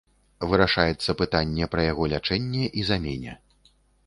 Вырашаецца пытанне пра яго лячэнне і замене.